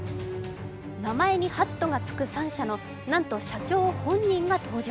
名前に「ハット」がつく３社のなんと社長本人が登場。